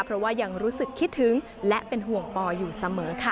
เพราะว่ายังรู้สึกคิดถึงและเป็นห่วงปออยู่เสมอค่ะ